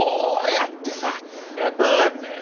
やってたんだよね。